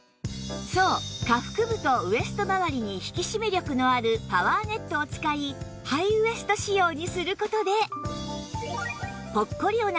そう下腹部とウエストまわりに引き締め力のあるパワーネットを使いハイウエスト仕様にする事で